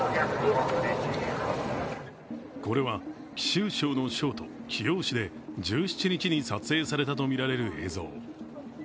これは貴州省の省都・貴陽市で１７日に撮影されたとみられる映像。